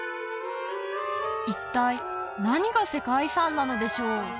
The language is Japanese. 一体何が世界遺産なのでしょう？